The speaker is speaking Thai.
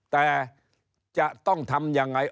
แต่จะต้องทำยังไง